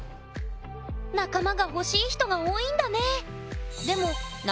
仲間が欲しい人が多いんだね！